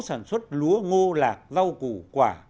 sản xuất lúa ngô lạc rau củ quả